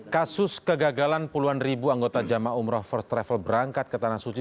kasus kegagalan puluhan ribu anggota jamaah umroh first travel berangkat ke tanah suci